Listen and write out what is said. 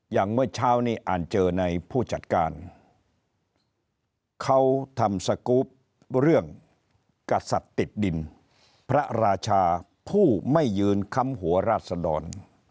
เมื่อเช้านี้อ่านเจอในผู้จัดการเขาทำสกรูปเรื่องกษัตริย์ติดดินพระราชาผู้ไม่ยืนค้ำหัวราศดร